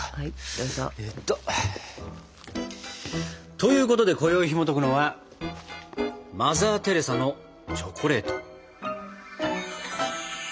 どうぞ。ということでこよいひもとくのは「マザー・テレサのチョコレート」。